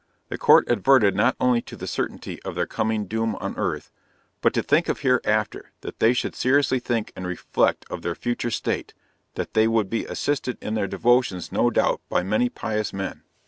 The Court adverted not only to the certainty of their coming doom on earth, but to THINK OF HEREAFTER that they should seriously think and reflect of their FUTURE STATE! that they would be assisted in their devotions no doubt, by many pious men.